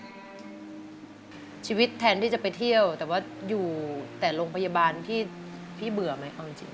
ชีวิตแทนที่จะไปเที่ยวแต่ว่าอยู่แต่โรงพยาบาลพี่เบื่อไหมเอาจริง